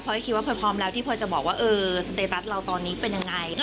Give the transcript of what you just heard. คิดว่าพลอยพร้อมแล้วที่พลอยจะบอกว่าสเตตัสเราตอนนี้เป็นยังไง